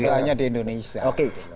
hanya di indonesia